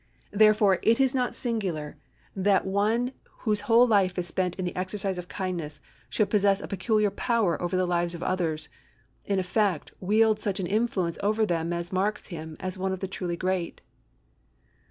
Therefore, it is not singular that one whose whole life is spent in the exercise of kindness should possess a peculiar power over the lives of others—in effect, wield such an influence over them as marks him as one of the truly great.